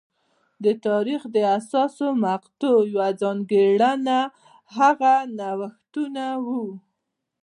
د تاریخ د حساسو مقطعو یوه ځانګړنه هغه نوښتونه وو